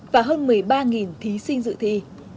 và hơn một mươi ba thí sinh dự thi